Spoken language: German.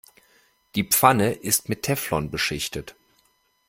Die Pfanne ist mit Teflon beschichtet.